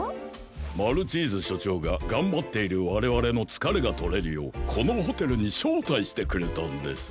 マルチーズしょちょうががんばっているわれわれのつかれがとれるようこのホテルにしょうたいしてくれたんです。